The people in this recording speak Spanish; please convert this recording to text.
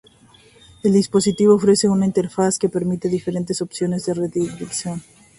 El dispositivo ofrece una interfaz que permite diferentes opciones de renderización.